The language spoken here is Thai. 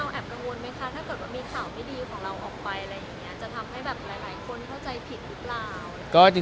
จะทำให้หลายคนเข้าใจผิดหรือเปล่า